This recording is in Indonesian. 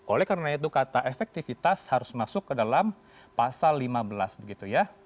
oleh karena itu kata efektivitas harus masuk ke dalam pasal lima belas begitu ya